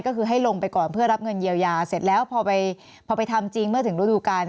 ก็คือให้ลงไปก่อนเพื่อรับเงินเยียวยาเสร็จแล้วพอไปทำจริงเมื่อถึงฤดูกาล